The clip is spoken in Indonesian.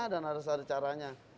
dan harus ada caranya